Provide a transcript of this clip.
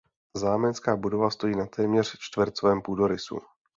Zámecká budova stojí na téměř čtvercovém půdorysu.